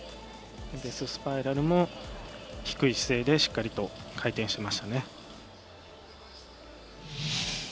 デススパイラルも低い姿勢でしっかりと回転してましたね。